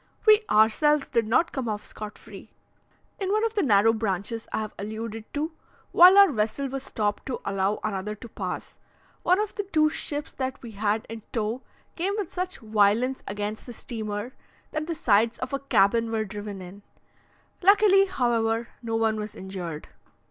We ourselves did not come off scot free. In one of the narrow branches I have alluded to, while our vessel was stopped to allow another to pass, one of the two ships that we had in tow came with such violence against the steamer, that the sides of a cabin were driven in: luckily, however, no one was injured.